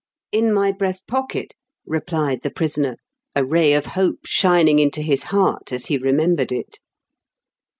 " "In my breast pocket," replied the prisoner, a ray of hope shining into his heart as he remembered it.